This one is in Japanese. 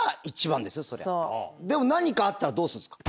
でも何かあったらどうするんですか？